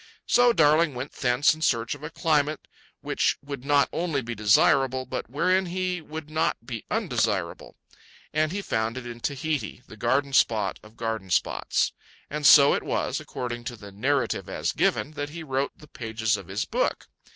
So Darling went thence in search of a climate which would not only be desirable, but wherein he would not be undesirable. And he found it in Tahiti, the garden spot of garden spots. And so it was, according to the narrative as given, that he wrote the pages of his book.